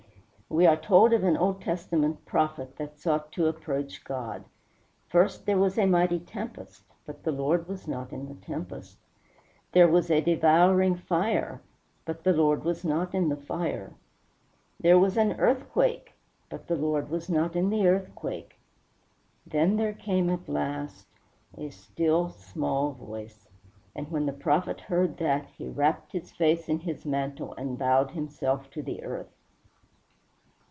We are told of an Old Testament prophet that sought to approach God. First there was a mighty tempest; but the Lord was not in the tempest. There was a devouring fire; but the Lord was not in the fire. There was an earthquake; but the Lord was not in the earthquake. Then there came at last a "still, small voice:" and when the prophet heard that he wrapped his face in his mantle and bowed himself to the earth.